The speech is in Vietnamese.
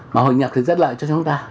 mà hội nhập thì rất lợi cho chúng ta